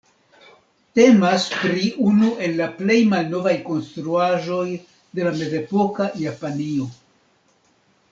Temas pri unu el la plej malnovaj konstruaĵoj de la mezepoka Japanio.